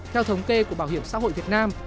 theo thống kê của bảo hiểm xã hội việt nam